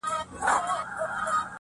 ستا د دواړو سترگو سمندر گلي,